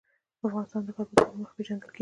افغانستان د د کابل سیند له مخې پېژندل کېږي.